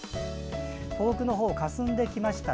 遠くのほうはかすんできました。